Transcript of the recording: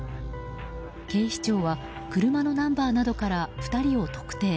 警視庁は車のナンバーなどから２人を特定。